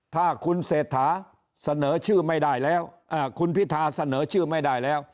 ถ้าคุณเศรษฐาเสนอชื่อไม่ได้แล้วคุณพิธาเสนอชื่อไม่ได้แล้ว